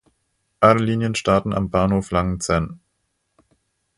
Alle Linien starten am Bahnhof Langenzenn.